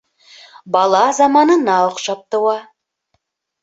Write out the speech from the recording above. Бала заманына оҡшап тыуа.